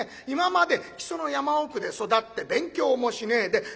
今まで木曽の山奥で育って勉強もしねえで